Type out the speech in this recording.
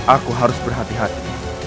aku harus berhati hati